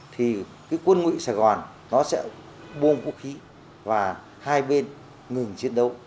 thì cái quân ngụy sài gòn nó sẽ buông quốc khí và hai bên ngừng chiến đấu